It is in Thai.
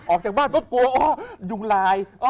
ออกจากบ้านก็กลัวยุงลาย